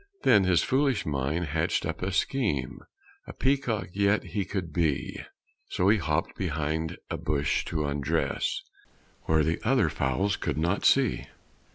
Then his foolish mind hatched up a scheme A peacock yet he could be; So he hopped behind a bush to undress Where the other fowls could not see.